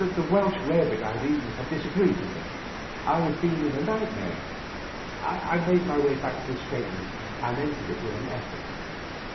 The "Welsh rare bit I had eaten had disagreed with me. I had been in a nightmare. I made my way back to my state room, and entered it with an effort.